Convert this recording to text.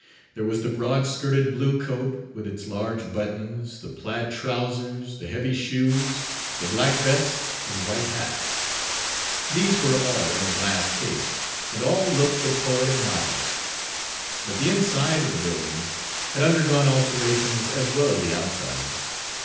There was the broad skirted blue coat, with its large buttons, the plaid trousers, the heavy shoes, the black vest and white hat. These were all in a glass case, and all looked the poet and novelist. But the inside of the buildings had undergone alterations as well as the outside.